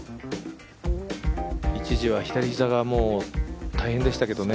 一時は左膝が大変でしたけどね。